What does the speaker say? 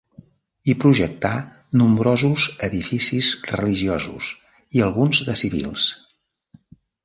Hi projectà nombrosos edificis religiosos i alguns de civils.